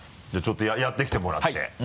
じゃあちょっとやってきてもらって。